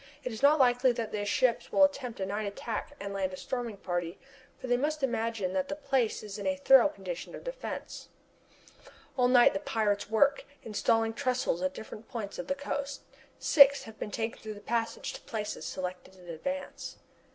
It is not likely that the ships will attempt a night attack and land a storming party, for they must imagine that the place is in a thorough condition of defence. All night long the pirates work, installing the trestles at different points of the coast. Six have been taken through the passage to places selected in advance.